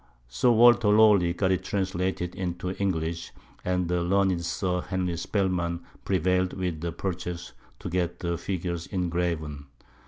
Sir Walter Raleigh got it translated into English, and the Learned Sir Henry Spelman prevail'd with Purchas to get the Figures engraven.